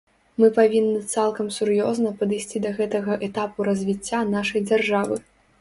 Мы павінны цалкам сур'ёзна падысці да гэтага этапу развіцця нашай дзяржавы.